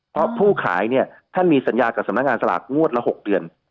เพราะผู้ขายเนี่ยท่านมีสัญญากับสำนักงานสลากงวดละ๖เดือน